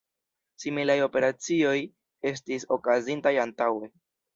Similaj operacioj estis okazintaj antaŭe.